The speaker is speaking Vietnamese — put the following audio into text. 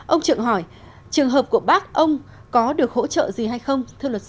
ông trượng hỏi trường hợp của bác ông có được hỗ trợ gì hay không